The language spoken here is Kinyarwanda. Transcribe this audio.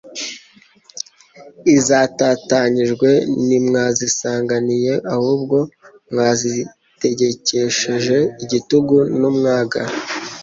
izatatanyijwe ntimwaziganiye... ahubwo mwazitegekesheje igitugu n'umwaga.'